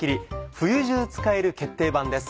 冬中使える決定版です。